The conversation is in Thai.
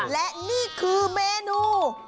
และนี่คือเมนู